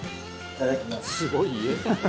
「すごい家」